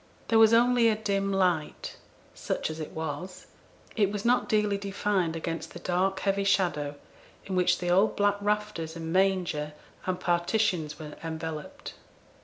There was only a dim light; such as it was, it was not dearly defined against the dark heavy shadow in which the old black rafters and manger and partitions were enveloped.